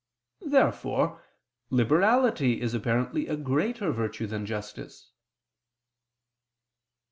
Therefore liberality is apparently a greater virtue than justice.